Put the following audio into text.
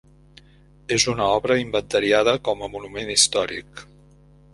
És una obra inventariada com a monument històric.